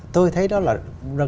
tôi thấy đó là